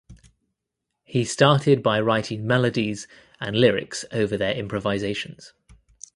He started by writing melodies and lyrics over their improvisations.